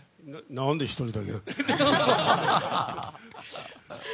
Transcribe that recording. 何で１人だけ？